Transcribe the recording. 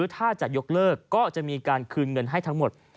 ถ้าจะยกเลิกก็จะมีการคืนเงินให้ทั้งหมด